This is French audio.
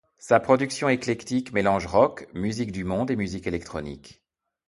Sa production éclectique mélange rock, musiques du monde et musique électronique.